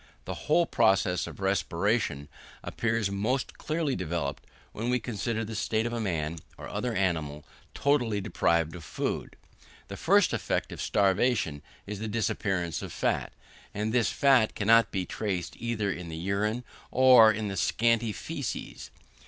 The whole process of respiration appears most clearly developed, when we consider the state of a man, or other animal, totally deprived of food. The first effect of starvation is the disappearance of fat, and this fat cannot be traced either in the urine or in the scanty faeces.